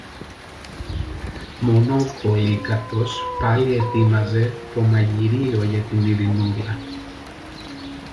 Μόνος ο Πολύκαρπος πάλι ετοίμαζε το μαγειριό για την Ειρηνούλα.